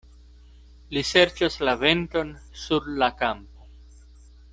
Li serĉas la venton sur la kampo.